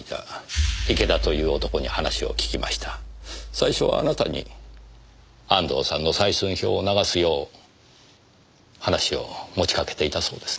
最初はあなたに安藤さんの採寸表を流すよう話を持ちかけていたそうですね？